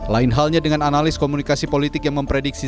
lain halnya dengan analis komunikasi politik yang memprediksi